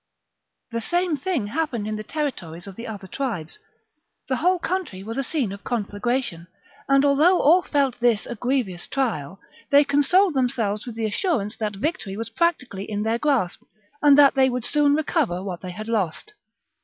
The same thing happened in the territories of the other tribes : the whole country was a scene of conflagration ; and although all felt this a grievous trial, they consoled themselves with the assurance that victory was practically in their grasp and that they would soon recover what they had lost.